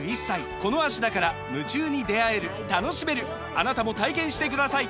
あなたも体験してください！